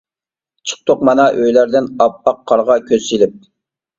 چىقتۇق مانا ئۆيلەردىن، ئاپئاق قارغا كۆز سېلىپ.